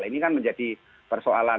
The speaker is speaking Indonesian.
ini kan menjadi persoalan